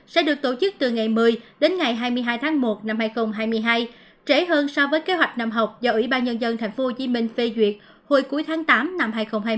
sẽ được tổ chức từ ngày một mươi đến ngày hai mươi hai tháng một năm hai nghìn hai mươi hai trễ hơn so với kế hoạch năm học do ủy ban nhân dân tp hcm phê duyệt hồi cuối tháng tám năm hai nghìn hai mươi